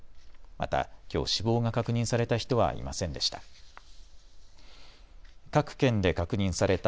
また、きょう死亡が確認された人はいませんでした。